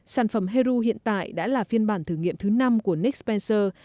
sản phẩm heru hiện tại đã là phiên bản thử nghiệm thứ năm của nick spencer